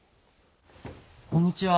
こんにちは